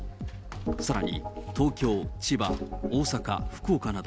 さらに東京、千葉、大阪、福岡など、